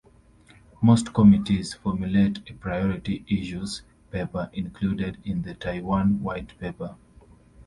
Most committees formulate a priority issues paper included in the "Taiwan White Paper".